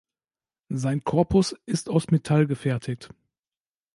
Sein Korpus ist aus Metall gefertigt.